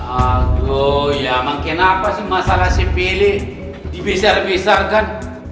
aduh ya makin apa sih masalah si pilih dibesar besarkan